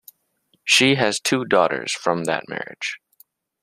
She has two daughters from that marriage.